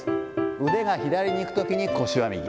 腕が左にいくときに腰は右。